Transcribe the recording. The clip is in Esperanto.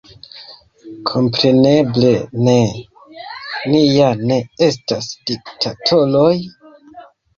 Kompreneble ne – ni ja ne estas diktatoroj!